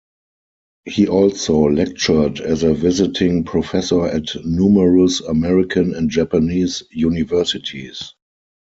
He also lectured as a visiting professor at numerous American and Japanese universities.